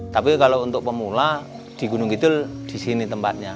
tapi kalau untuk pemula di gunung kidul di sini tempatnya